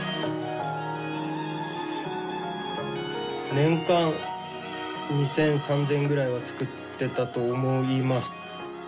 年間２，０００３，０００ぐらいは作ってたと思います。